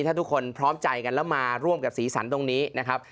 ถ้าทุกคนพร้อมใจกันแล้วมาร่วมกับสีสันตรงนี้นะครับ